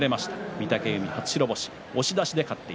御嶽海、初白星。